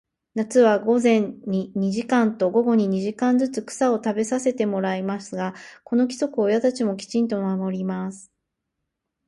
夏は午前に二時間と、午後に二時間ずつ、草を食べさせてもらいますが、この規則を親たちもきちんと守ります。